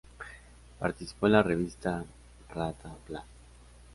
Participó en la revista "¡Ra-Ta-Plan!